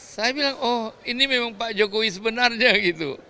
saya bilang oh ini memang pak jokowi sebenarnya gitu